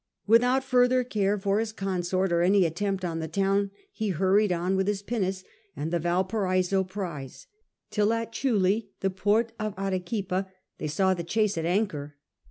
Without further care for his consort or any attempt on the town he hurried on with his pinnace and the Valparaiso prize, till at Chuli, the port of Arequipa, they saw the chase at anchor.